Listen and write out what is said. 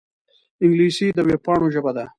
انګلیسي د وېبپاڼو ژبه ده